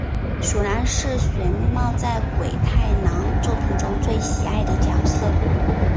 鼠男是水木茂在鬼太郎作品中最喜爱的角色。